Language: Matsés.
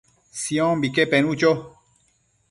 Siombique penu cho